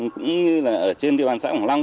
cũng như là ở trên địa bàn xã quảng long